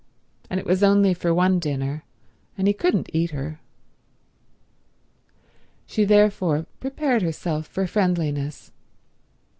And it was only for one dinner, and he couldn't eat her. She therefore prepared herself for friendliness.